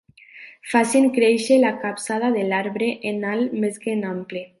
Facin créixer la capçada de l'arbre en alt més que en ample.